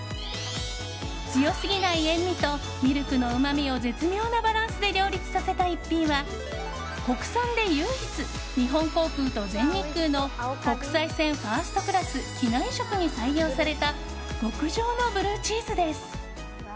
強すぎない塩みとミルクのうまみを絶妙なバランスで両立させた一品は国産で唯一、日本航空と全日空の国際線ファーストクラス機内食に採用された極上のブルーチーズです。